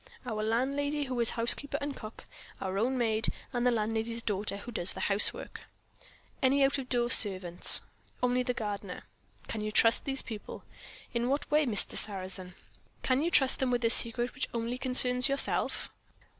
Our landlady, who is housekeeper and cook. Our own maid. And the landlady's daughter, who does the housework." "Any out of door servants?" "Only the gardener." "Can you trust these people?" "In what way, Mr. Sarrazin?" "Can you trust them with a secret which only concerns yourself?"